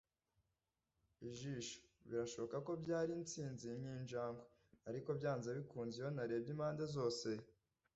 ijisho; birashoboka ko byari instinzi nkinjangwe; ariko, byanze bikunze, iyo narebye impande zose,